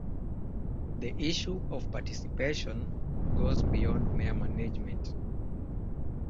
The issue of participation goes beyond mere management.